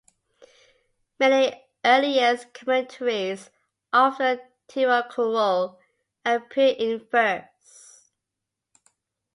Many earliest commentaries of the Tirukkural appear in verse.